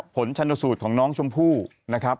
ชนสูตรของน้องชมพู่นะครับ